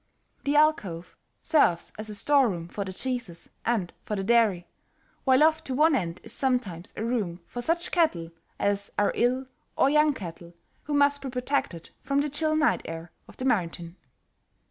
The alcove serves as a store room for the cheeses, and for the dairy, while off to one end is sometimes a room for such cattle as are ill or young cattle who must be protected from the chill night air of the mountain.